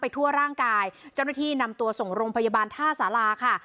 ทั่วร่างกายเจ้าหน้าที่นำตัวส่งโรงพยาบาลท่าสาราค่ะ